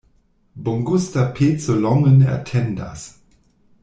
Bongusta peco longe ne atendas.